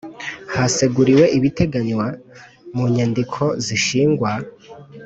Haseguriwe ibiteganywa mu nyandiko z ishingwa